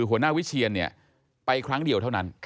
หัวหน้าวิเชียนไปครั้งเดียวเท่านั้น